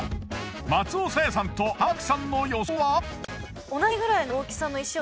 松尾紗夜さんと濱田岳さんの予想は？